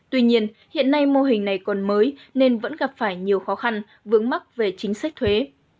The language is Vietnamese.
tuy nhiên hiện nay mô hình này còn mới nên vẫn gặp phải nhiều khó khăn vướng mắt về chính sách thuế